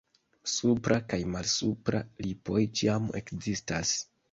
Supra kaj malsupra lipoj ĉiam ekzistas.